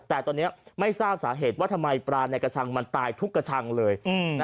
แต่ตอนนี้ไม่ทราบสาเหตุว่าทำไมปลาในกระชังมันตายทุกกระชังเลย